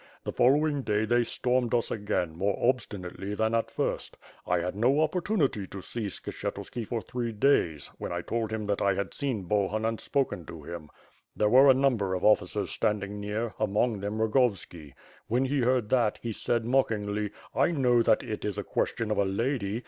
The following day, they stormed us again, more obstinately than at first. 1 had no opportunity to see Skshetuski for three days, when I told him that 1 had seen Bohun and spoken to him. There were a number of officers standing near, among them Rogovski. When he heard that, he said mockingly 'i know that it is a question of a lady.